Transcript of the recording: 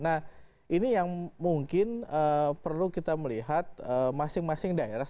nah ini yang mungkin perlu kita melihat masing masing daerah